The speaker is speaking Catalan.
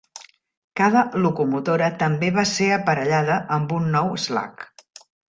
Cada locomotora també va ser aparellada amb un nou "slug".